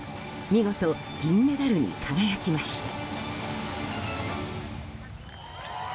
見事、銀メダルに輝きました。